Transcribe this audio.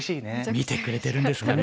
見てくれてるんですかね。